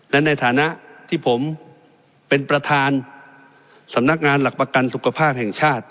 และในฐานะที่ผมเป็นประธานสำนักงานหลักประกันสุขภาพแห่งชาติ